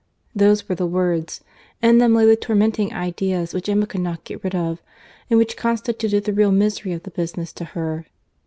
—Those were the words; in them lay the tormenting ideas which Emma could not get rid of, and which constituted the real misery of the business to her.